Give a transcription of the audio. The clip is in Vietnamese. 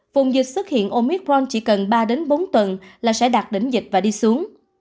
vùng dịch xuất hiện omicron chỉ cần ba bốn tuần là sẽ đạt đến dịch và đi xuống